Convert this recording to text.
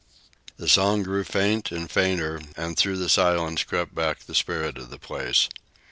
The song grew faint and fainter, and through the silence crept back the spirit of the place.